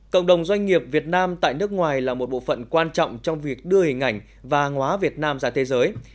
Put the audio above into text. cộng đồng doanh nghiệp việt nam tại nước ngoài là một bộ phận quan trọng trong việc đưa hình ảnh và hóa việt nam ra thế giới